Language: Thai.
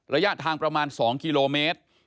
ระยะทางประมาณ๒กิโลเมตร